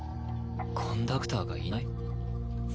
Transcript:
コンダクターがいない？